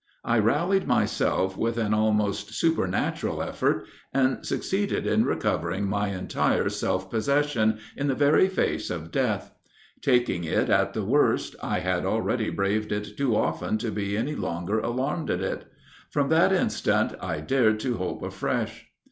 I rallied myself with an almost supernatural effort, and succeeded in recovering my entire self possession, in the very face of death. Taking it at the worst, I had already braved it too often to be any longer alarmed at it. From that instant, I dared to hope afresh."